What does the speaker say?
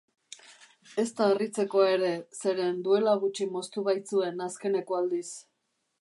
Ez da harritzekoa ere, zeren duela gutxi moztu baitzuen azkeneko aldiz.